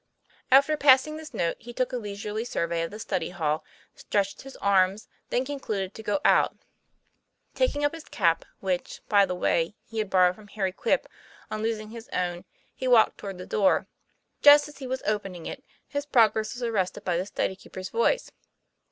After passing this note, he took a leisurely survey of the study hall, stretched his arms; then concluded to go out. Taking up his cap, which, by the way, he had borrowed from Harry Quip on losing his own, he walked toward the door. Just as he was opening it, his progress was arrested by the study keeper's voice.